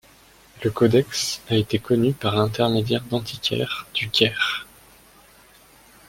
Le codex a été connu par l'intermédiaire d'antiquaires du Caire.